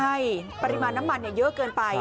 ใช่ปริมาณน้ำมันเยอะเกินไป